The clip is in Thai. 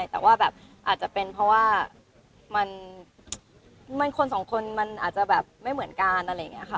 แต่ว่าแบบอาจจะเป็นเพราะว่ามันคนสองคนมันอาจจะแบบไม่เหมือนกันอะไรอย่างนี้ค่ะ